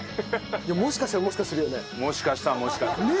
もしかしたらもしかするね。